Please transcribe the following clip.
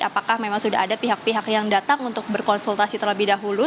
apakah memang sudah ada pihak pihak yang datang untuk berkonsultasi terlebih dahulu